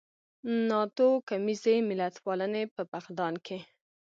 ناتوکمیزې ملتپالنې په فقدان کې.